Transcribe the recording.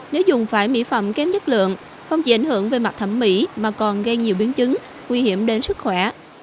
nếu dùng phải mỹ phẩm kém chất lượng không chỉ ảnh hưởng về mặt thẩm mỹ mà còn gây nhiều biến chứng nguy hiểm đến sức khỏe